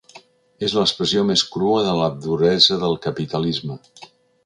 És l’expressió més crua de la duresa del capitalisme.